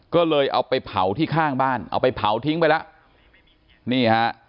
ก็เลยเอาไปเผาที่ข้างบ้านเอาไปเผาทิ้งไปแล้วนี่ฮะ